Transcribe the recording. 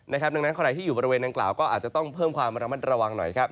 ดังนั้นใครที่อยู่บริเวณนางกล่าวก็อาจจะต้องเพิ่มความระมัดระวังหน่อย